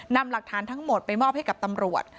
นำหลักฐานทั้งหมดไปมอบให้กับตำรวจ